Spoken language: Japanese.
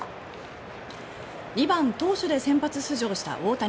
２番投手で先発出場した大谷。